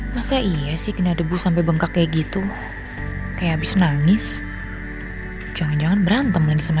masa iya sih ada gua sampai bengkak gitu kayak habis nangis jangan jangan brantumin sama